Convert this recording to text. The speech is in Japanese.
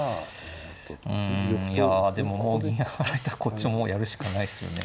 うんいやでももう銀上がられたらこっちももうやるしかないっすよね。